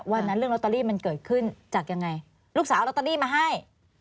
วันนั้นเรื่องลอตเตอรี่มันเกิดขึ้นจากยังไงลูกสาวเอาลอตเตอรี่มาให้